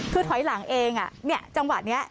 คือถอยหลังเองจังหวะนี้